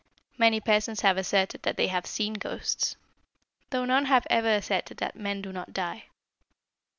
Many persons have asserted that they have seen ghosts, though none have ever asserted that men do not die.